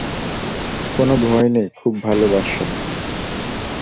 কোনো ভয় নেই, খুব ভালোবাসো।